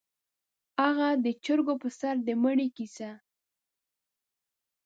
_هغه د چرګو پر سر د مړي کيسه؟